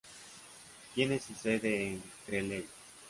Tiene su sede en Greeley.